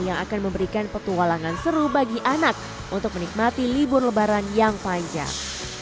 yang akan memberikan petualangan seru bagi anak untuk menikmati libur lebaran yang panjang